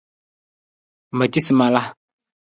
Ma ci sa ma la.